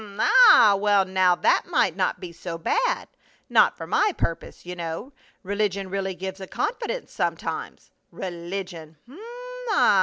Um! Ah! Well, now that might not be so bad not for my purpose, you know. Religion really gives a confidence sometimes. Religion! Um!